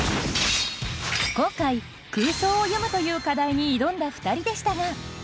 今回「空想を詠む」という課題に挑んだ２人でしたが。